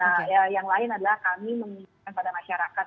nah yang lain adalah kami mengingatkan pada masyarakat